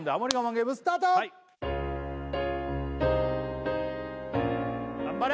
ゲームスタート頑張れ！